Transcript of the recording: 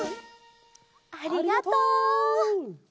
ありがとう！